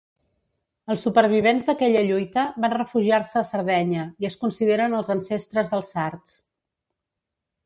Els supervivents d'aquella lluita van refugiar-se a Sardenya i es consideren els ancestres dels sards.